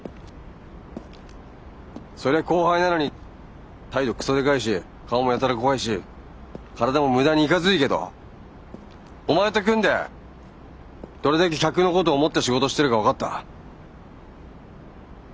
そりゃ後輩なのに態度クソでかいし顔もやたら怖いし体も無駄にイカついけどお前と組んでどれだけ客のことを思って仕事をしてるか分かった。